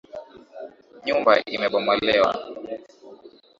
Nyumba imebomolewa.